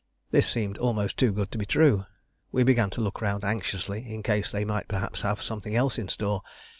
This seemed almost too good to be true. We began to look round anxiously in case they might perhaps have something else in store.